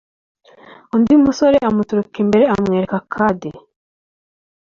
undi musore amuturuka imbere amwereka kadi